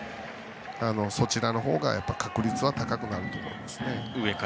そちらのほうが確率は高くなると思いますね。